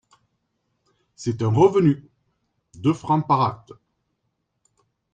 C'est un revenu …deux francs par acte :…